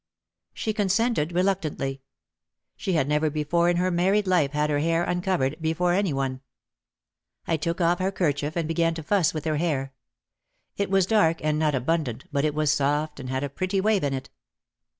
She consented reluctantly. She had never before in her married life had her hair uncovered before any one. I took off her kerchief and began to fuss with her hair. It was dark and not abundant but it was soft and had a pretty wave in it.